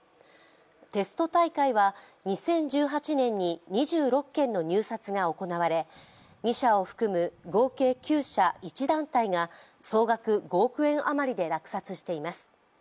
テスト大会は２０１８年に２６件の入札が行われ２社を含む合計９社１団体が総額５億円あまりで落札しています